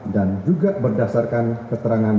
dan juga berdasarkan keterangan